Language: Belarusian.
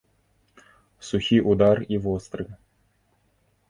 Сухі ўдар і востры.